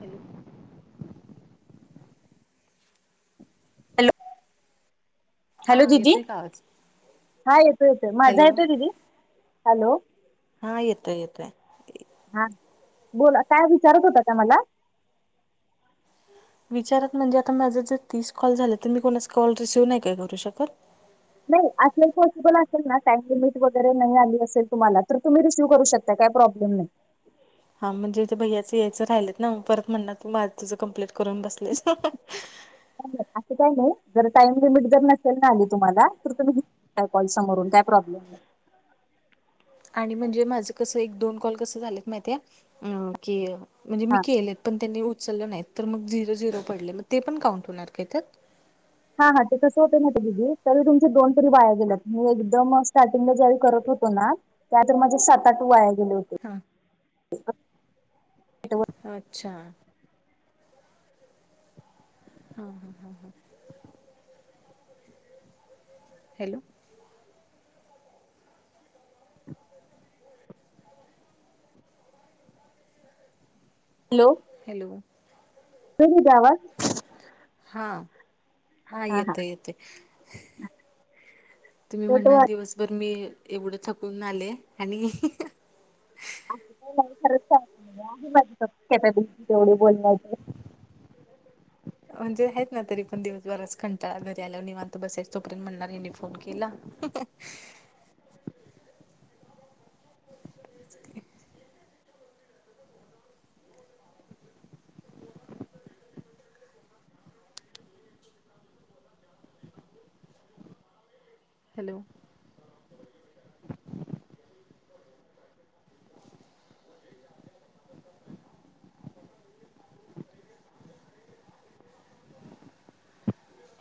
Hello. Hello. Hello हा दिदी येतोय का आवाज हा येतोय येतोय माझा हॅलो येतोय दिदी हॅलो. हा येतोय येतोय. हा बोला काय विचारत होता का मला? विचारात म्हणजे आता माझं जर तीस कॉल झाले तर मी कोणास कॉल रिसीव्ह नाही काय करू शकत? नाही असेल पॉसिबल असेल ना टाइम लिमिट वगैरे नाही आली असेल तुम्हाला तर तुम्ही रिसीव्ह करू शक त्या काय प्रॉब्लेम नाय. हा म्हणजे ते भैय्याचा यायचं राहिलेत ना म परत म्हणणार की मा तुझं कंप्लीट करून बसलेस. नाही नाही असं काही नाही जर टाइम लिमिट जर नसेल ना आली तुम्हाला तर तुम्ही काय कॉल समोरून काय प्रॉब्लेम आहे. आणि म्हणजे माझं कसं एक दोन कॉल कसं झालेत माहितय की अ म्हणजे मी केलेत पण त्यांनी उचललं नाहीत तर मग झिरो झिरो पडले मग ते काउंट होणार काय त्यात? हा हा ते कसं होते ना ते दिदी तरी तुमच्या दोन तरी वाया गेल्यात मी एकदम स्टार्टिंगला ज्यावेळी करत होतो ना त्यातर माझे सात आठ वाया गेले हो हां. [unintelligible] अच्छा. हा हा हा हा हा. हॅलो. हॅलो. हॅलो. येतोय दिदी आवाज? हा हा येतोय येतोय. तुम्ही तर तो म्हणणार दिवसभर मी एवढं थकून आले ह्यांनी असं काही नाही खरंच [unintelligible] तेवढी बोलण्याचे. म्हणजे आहेत ना तरी पण दिवसभराच कंटाळा घरी आल्यावर निवां त बसायचा तोपर्यंत म्हणणार हेने फोन केला. हॅलो.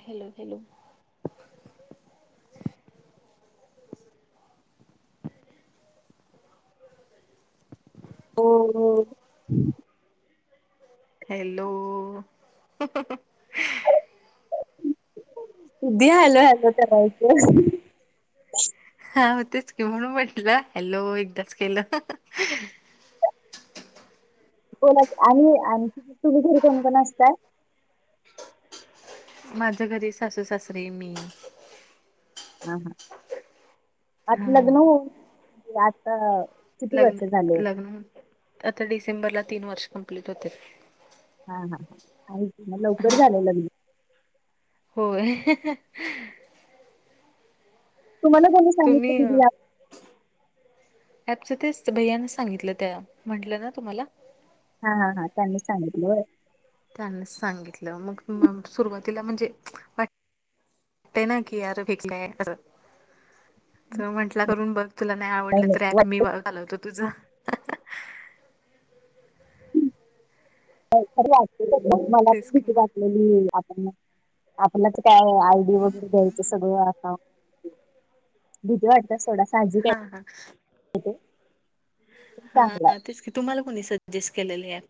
Hello hello. [unintelligible] हॅलो. किदि हॅलो हॅलो करायच. हा हो तेच की म्हणून म्हटलं हॅलो एकदाच केलं. बोला की आणि आणि तुम्ही घरी कोणकोण असतय? माझ्या घरी सासू, सासरे, मी. हा हा आज ह लग्न होऊन. [unintelligible] लग्न झाले लग्न आता डिसेंबरला तीन वर्ष कंप्लीट होते. हा हा हा आणि म लवकर झाल लग्न. होय. तुम्हाला मुलं तुम्ही अह ॲप च तेच तर भैय्यानं सांगितलं त्या म्हंटलं ना तुम्हाला हां हां हां त्यांनी सांगितलं होय. त्यांनीच सांगितलं मग म सुरुवातीला म्हणजे वा टतंय ना की [unintelligible] तर म्हटल करून बघ तुला नाही आवडलं तर ॲप वा- मी घालवतो तुझं. [unintelligible] मला पण तेच की भिती मग वाटलेली आपण आपलच काय आयडी वगैरे घ्यायचं सगळं भीती वाटण सोडा साहजिक आहे हा हा तिथे. हा तेच की तुम्हाला कोणी सजेस्ट केलेल हे ॲप?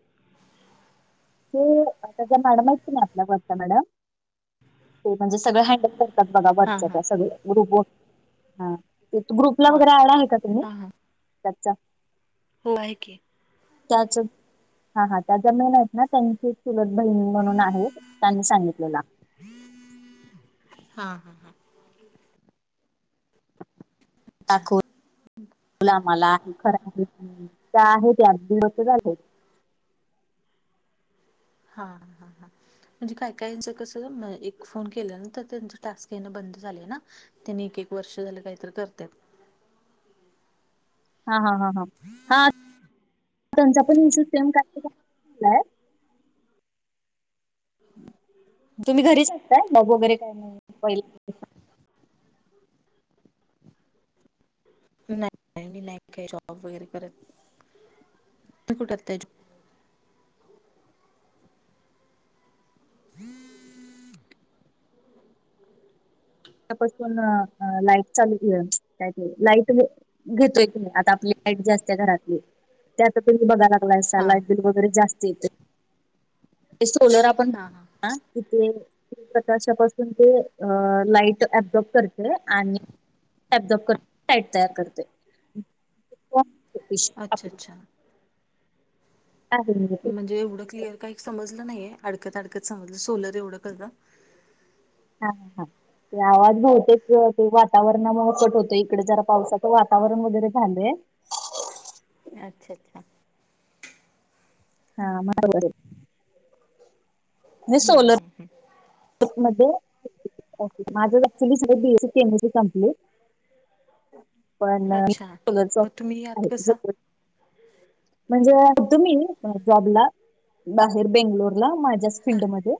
ते आत्ताच्या मॅडम आहेत की नाही आपल्या वर्षा मॅडम ते म्हणजे सगळे हँडल कर त्यात बघा हा व्हॉट्सअँप हा आहेत सगळ्या गुपवर, हां. तिथं ग्रुपला हा वगैरे ऍड हा आहे का तुम्ही हा त्याचा हो आहे की. त्याच. हा हा त्या ज्या मेन आहेत ना त्यांची चुलत बहिण म्हणून आहे त्यांनी सांगितलेल. हा हा. हा अच्छा दाखवल आम्हाला. [unintelligible] त्या आहे त्या दीड वर्ष झाले. हा हा हा. म्हणजे काय कायंचं कस एक फोन केल्या नंतर त्यांच टास्क येणं बंद झालं ना त्यांनी एक एक वर्ष झालं काहीतरी करत्यात. हा हा हा, हा त्यांचा पण सेम काहीतरी [unintelligible] झालाय. तुम्ही घरीच आसताय जॉब वगैरे काही नाही [unintelligible] नाही मी नाही काय जॉब वगैरे करत. तु कुठे [unintelligible] हम्म [unintelligible] लाईट चालू घेऊया काय ते लाईटने घेतोय की आता आपली लाईट जी असते घरातली ते आता तुम्ही बघायला लागलासा हा लाईबिल वगैरे जास्त येते ते सोलर आपण हा हा आह तिथे प्रकाशापासून ते अह लाईट ते अब्जॉर्ब करते आणि अब्जॉर्ब करून लाईट तयार करते. अच्छा [inaudible] अच्छा म्हणजे एवढं क्लिअर काही समजलं नाहीये, अडकत अडकत समजलं सोलर एवढं कळलं हां हां. ते आवाज बहुतेक अह ते वातावरणामुळे कट होत इकडे जरा पावसाचं वातावरण वगैरे झालय. अच्छा अच्छा. हा [unintelligible] हम्म हम्म हम्म. [unintelligible] माझ ऍक्चुली सगळं B A C, M S C संपली. पण अच्छा मी मग तुम्ही यात कसं [unintelligible] म्हणजे तुम्ही अह जॉबला बाहेर बेंगलोरला माझ्याच हा फील्डमध्ये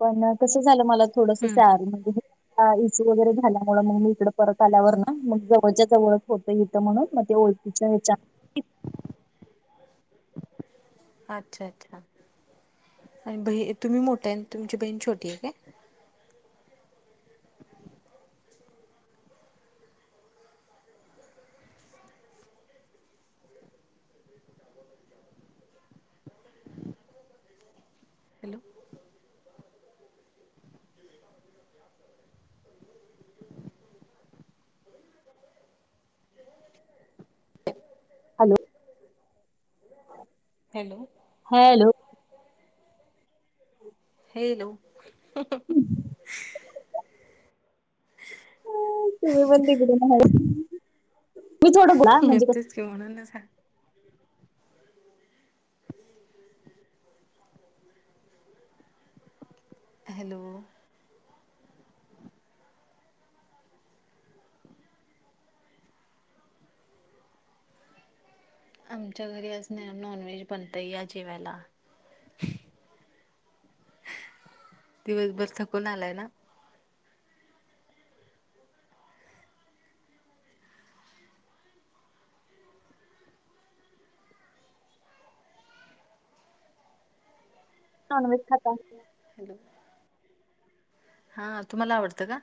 पण कस झालं मला थोडंस हम्म स्यार हम्म मध्ये [unintelligible] इसू वगैरे झाल्यामुळ मग मी इकड परत आल्यावर ना मग जवळच्या जवळच होतय हित म्हणून म ते ओळखीच्या हेच्या अच्छा-अच्छा. आणि भय तुम्ही मोठं आय अन् तुमची बहीण छोटी आय काय? Hello hello. Hello. Hello. Hello. तुम्ही पण तिकडून हॅलो. म तेच की म्हणनच हा हॅलो. आमच्या घरी आज नायनॉनव्हेज बनतंय या जेवायला. दिवसभर थकून आलाय ना? नॉनव्हेज खाता [unintelligible] हॅलो. हा तुम्हाला आवडतं का?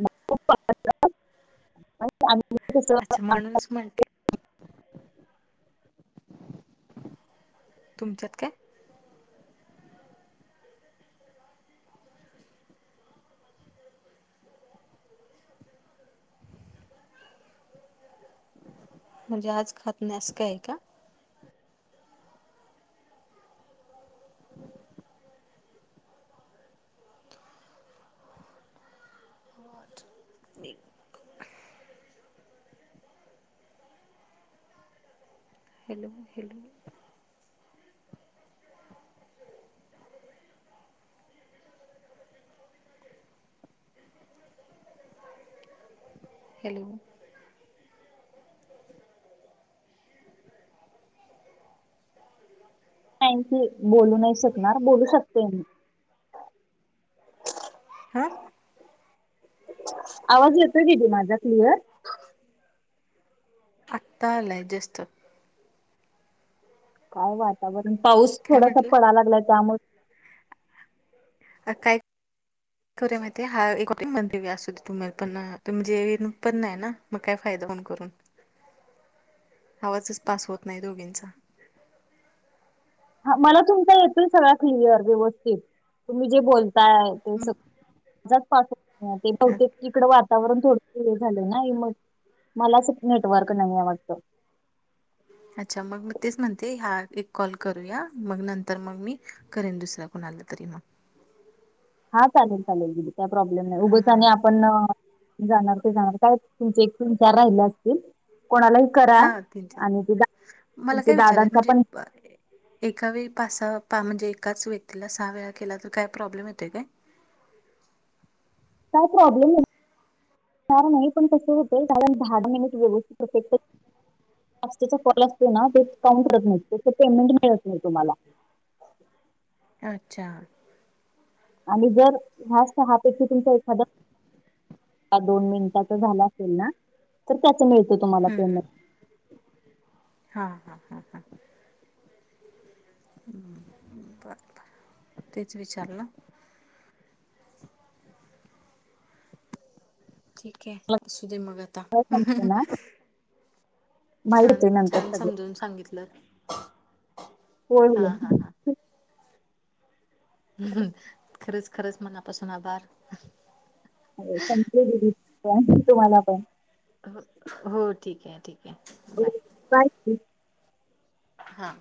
मला खूप आवडत पण ते [unintelligible] कस अच्छा म्हणूनच म्हटल. तुमच्यात काय? म्हणजे आज खात नाय आस काय आय का? [unintelligible] देख. हॅलो-हॅलो. हॅलो. [unintelligible] की, बोलू नाय शकणार बोलू शकते मी. हा आवाज येतोय दीदी माझा क्लिअर? आत्ता आलाय जस्ट. काय वातावरण पाऊस काय थोडासा म्हंटलं? पडा लागलाय त्यामुळ अ काय करूया माहिती आय एकटी [unintelligible] देऊया असूदे तुम्ही पण त म्हणजे इन पण नाय ना. मग काय फायदा होऊन करून आवाजच पास होत नाय दोघींचा. हा मला तुमचा येतोय सगळा क्लिअर व्यवस्थित तुम्ही जे बोलताय ते मग स माझाच पास होत नाय, ते बहुतेक इकड वातावरण थोडंस हे झालंय ना मग मलाच नेटवर्क नाहीये वाटतं. अच्छा मग मी तेच म्हणते ह्या एक कॉल करूया मग नंतर मग मी करेन दुसऱ्या कोणातरी म. हा चालेल चालेल दिदी काय प्रॉब्लेम नाय उगंच हा आणि आपण जाणार ते जाणार काय तुमचे तीन चार राहिल असतील कोणाला हा तीन चार मला तुमचे काय विचार आय दादांचा म्हणजे पण एका वेळी पासा पा म्हणजे एकाच व्यक्तीला सहा वेळा केला तर काय प्रॉब्लेम येतोय काय? काय प्रॉब्लेम नाय. काय नाय पण कस होतय कारण दहा दहा मिनिट व्यवस्थित असेल तर जास्तीचा कॉल असतोय ना तेच काउंट करत नायत त्याच पेमेंट मिळत नाय तुम्हाला. अच्छा. आणि जर ह्या सहापैकी तुमचा एखाद हा दोन मिनिटाचा झाला असेल ना. तर त्याच मिळतं तुम्हाला हम्म हम्म पेमेंट. हा हा हा, हा. बरं बरं. तेच विचारलं. ठीके. असू दे मग आता. काय सांगते ना माहित छान होते नंतर छान सगळे समजून सांगितलं. होय हा हा होय. हा खरंच खरंच मनापासून आभार. संपलेली दिसत आहे. तुम्हाला पण. हो हो ठीके ठीक. आहे [unintelligible] हा.